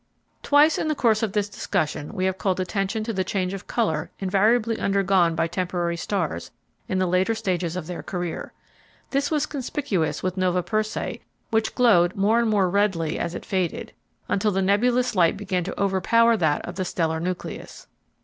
Twice in the course of this discussion we have called attention to the change of color invariably undergone by temporary stars in the later stages of their career. This was conspicuous with Nova Persei which glowed more and more redly as it faded, until the nebulous light began to overpower that of the stellar nucleus.